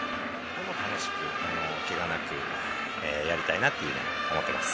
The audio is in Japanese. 楽しく、けがなくやりたいなと思っています。